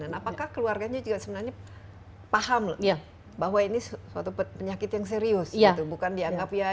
dan apakah keluarganya juga sebenarnya paham bahwa ini suatu penyakit yang serius bukan dianggap ya